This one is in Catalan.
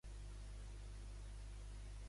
Com va ser adorada Io allà?